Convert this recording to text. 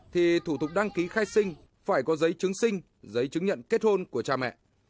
thì thủ tục đăng ký khai sinh phải có giấy chứng sinh giấy chứng nhận kết hôn của cha mẹ